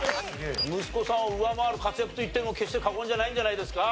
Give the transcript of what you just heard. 息子さんを上回る活躍と言っても決して過言じゃないんじゃないですか？